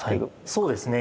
そうですね。